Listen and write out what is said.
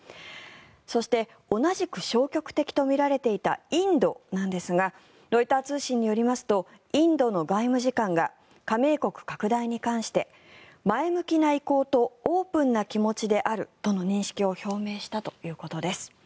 そして、同じく消極的とみられていたインドなんですがロイター通信によりますとインドの外務次官が加盟国拡大に関して前向きな意向とオープンな気持ちであるとの認識を表明したということです。